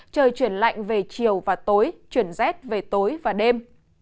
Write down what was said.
trời chuyển lạnh về chiều và tối chuyển rét về tối và đêm